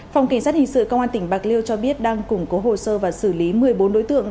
phòng kỳ sát hình sự công an tỉnh bạc liêu cho biết đang củng cố hồ sơ và xử lý một mươi bốn đối tượng